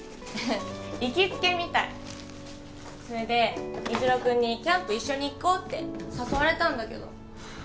行きつけみたいそれで虹朗君に「キャンプ一緒に行こう」って誘われたんだけど